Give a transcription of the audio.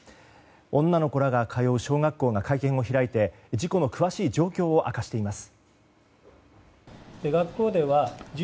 女の子らが通う小学校が会見を開いて事故の詳しい状況を明かしています。